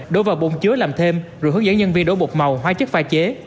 đổ vào bụng chứa làm thêm rồi hướng dẫn nhân viên đổ bột màu hoa chất pha chế